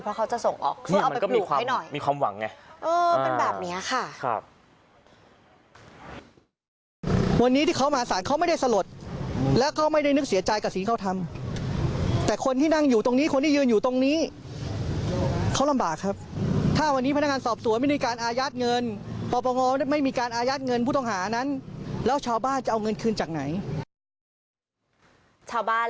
เพราะเขาจะส่งออกซ่อมไปปลูกให้หน่อย